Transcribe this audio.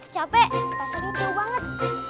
capek pasangnya jauh banget